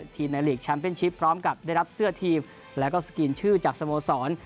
ในหลีกแชมป์เป็นชิปพร้อมกับได้รับเสื้อทีมแล้วก็สกรีนชื่อจากสโมสร